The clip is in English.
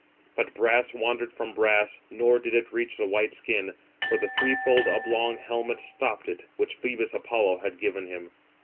But brass wandered from brass, nor did it reach the white skin; for the threefold oblong helmet stopped it, which Phœbus Apollo had given him.